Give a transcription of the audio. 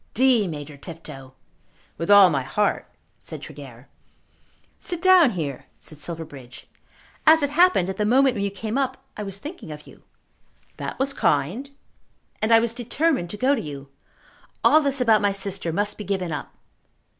"D Major Tifto." "With all my heart," said Tregear. "Sit down here," said Silverbridge. "As it happened, at the moment when you came up I was thinking of you." "That was kind." "And I was determined to go to you. All this about my sister must be given up."